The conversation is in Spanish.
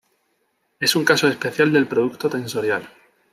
Es un caso especial del producto tensorial.